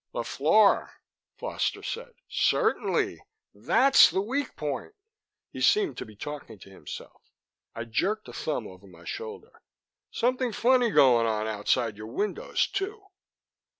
"The floor," Foster said. "Certainly. That's the weak point." He seemed to be talking to himself. I jerked a thumb over my shoulder. "Something funny going on outside your windows, too."